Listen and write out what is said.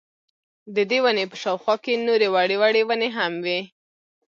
ددې وني په شاوخوا کي نوري وړې وړې وني هم وې